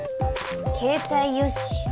携帯よし。